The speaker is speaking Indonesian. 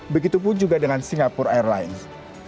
begitu pun juga dengan singapore airlines